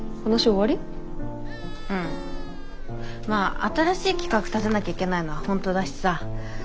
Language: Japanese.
まあ新しい企画立てなきゃいけないのは本当だしさ